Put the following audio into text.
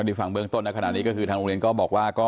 ถ้าที่ฟังเบื้องต้นนะขนาดนี้คือทางโรงเรียนก็บอกว่า